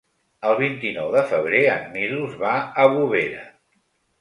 El vint-i-nou de febrer en Milos va a Bovera.